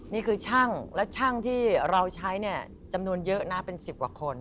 นี่คือช่างและช่างที่เราใช้เนี่ยจำนวนเยอะนะเป็น๑๐กว่าคน